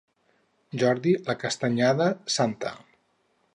Jordi, la Castanyada, Santa.